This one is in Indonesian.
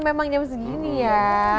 memang jam segini ya